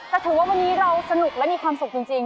แต่ถือว่าวันนี้เราสนุกและมีความสุขจริง